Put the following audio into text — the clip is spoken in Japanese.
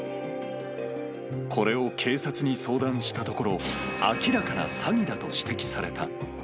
これを警察に相談したところ、明らかな詐欺だと指摘された。